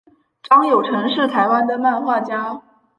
张友诚是台湾的漫画家。